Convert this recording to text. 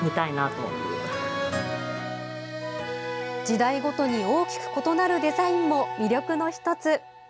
時代ごとに大きく異なるデザインも魅力の１つ。